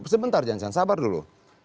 sebentar jangan sabar dulu